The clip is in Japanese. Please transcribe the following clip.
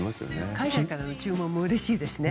海外からの注文もうれしいですね。